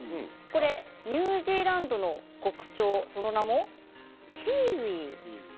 ニュージーランドの国鳥その名もキーウィ。